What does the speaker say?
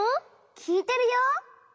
きいてるよ。